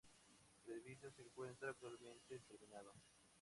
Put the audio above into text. El edificio se encuentra actualmente terminado.